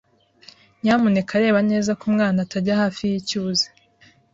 Nyamuneka reba neza ko umwana atajya hafi yicyuzi.